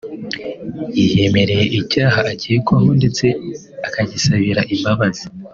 yiyemereye icyaha akekwaho ndetse akagisabira imbabazi